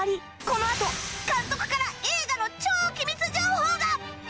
このあと監督から映画の超機密情報が！